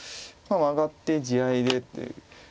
マガって地合いでって。